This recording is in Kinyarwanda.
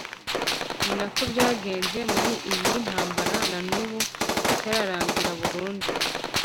ni nako byagenze muri iyi ntambara na n'ubu itararangira burundu.